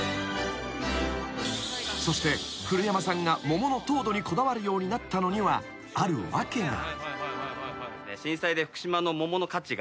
［そして古山さんが桃の糖度にこだわるようになったのにはある訳が］